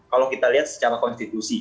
kalau kita lihat secara konstitusi